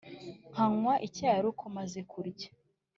nkanywa icyayi aruko maze kurya,